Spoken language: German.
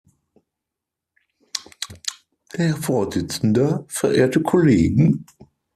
Herr Vorsitzender, verehrte Kollegen!